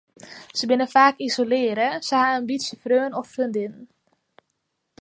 Se binne faak isolearre, se ha in bytsje freonen of freondinnen.